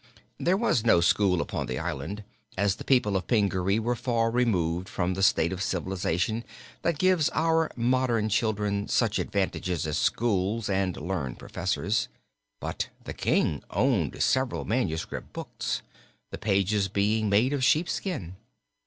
There was no school upon the island, as the people of Pingaree were far removed from the state of civilization that gives our modern children such advantages as schools and learned professors, but the King owned several manuscript books, the pages being made of sheepskin.